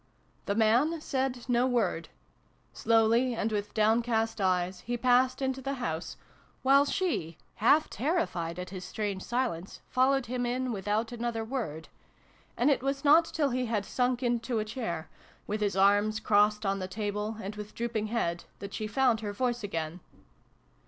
The man said no word. Slowly, and with downcast eyes, he passed into the house, while she, half terrified at his strange silence, followed him in without another word ; and it was not till he had sunk into a chair, with his arms crossed on the table and with drooping head, that she found her voice again.